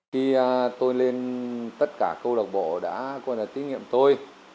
khi tôi lên tất cả công lạc bộ đã có tí nghiệm tôi